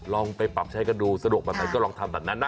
อ๋อลองไปปรับใช้กระดูกสะดวกมากก็ลองทำแบบนั้นนะ